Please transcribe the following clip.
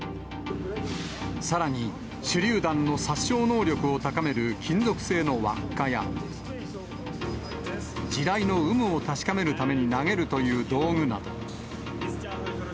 さらに、手りゅう弾の殺傷能力を高める金属製の輪っかや、地雷の有無を確かめるために投げるという道具など。